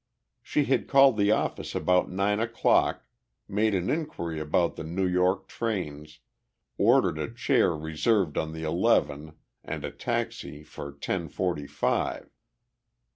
She had called the office about nine o'clock, made an inquiry about the New York trains, ordered a chair reserved on the eleven and a taxi for ten forty five.